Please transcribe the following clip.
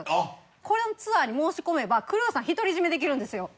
このツアーに申し込めばクルーさん独り占めできるんですよ。